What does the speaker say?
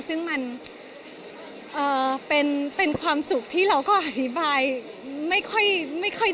ซึ่งมันเป็นความสุขที่เราก็อธิบายไม่ค่อย